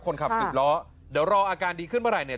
คนขับสิบล้อเดี๋ยวรออาการดีขึ้นเมื่อไหร่เนี่ย